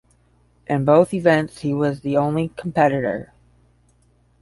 In both events he was the only competitor.